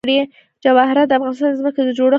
جواهرات د افغانستان د ځمکې د جوړښت نښه ده.